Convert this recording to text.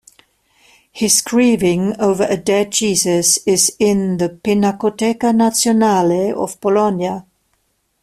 His "Grieving over a dead Jesus" is in the Pinacoteca Nazionale of Bologna.